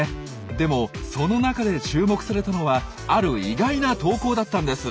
でもその中で注目されたのはある意外な投稿だったんです。